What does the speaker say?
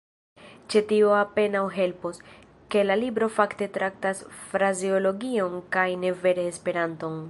Ĉe tio apenaŭ helpos, ke la libro fakte traktas frazeologion kaj ne vere Esperanton.